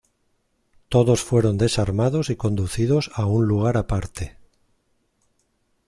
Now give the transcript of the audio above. Todos fueron desarmados y conducidos a un lugar aparte.